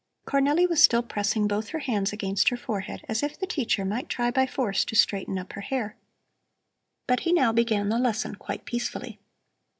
Cornelli was still pressing both her hands against her forehead, as if the teacher might try by force to straighten up her hair. But he now began the lesson quite peacefully.